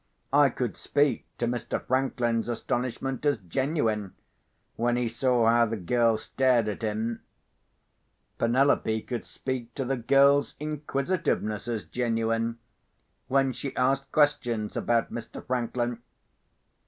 I could speak to Mr. Franklin's astonishment as genuine, when he saw how the girl stared at him. Penelope could speak to the girl's inquisitiveness as genuine, when she asked questions about Mr. Franklin.